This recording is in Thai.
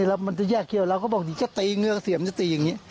เจอปุ๊บมันจะแยกเคี้ยวเราก็บอกจะตีเงือกเสี่ยงจะตีอย่างนี้